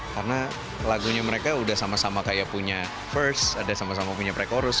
karena lagunya mereka udah sama sama kayak punya verse ada sama sama punya pre chorus